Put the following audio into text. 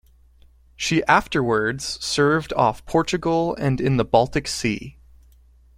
She afterwards served off Portugal and in the Baltic Sea.